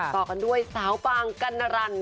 ต่อกันด้วยสาวป่างกัณฑรรณ